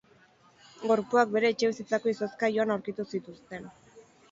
Gorpuak bere etxebizitzako izozkailuan aurkitu zituzten.